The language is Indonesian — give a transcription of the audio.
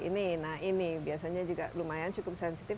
nah ini biasanya juga lumayan cukup sensitif